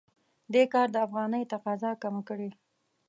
دې کار د افغانۍ تقاضا کمه کړې.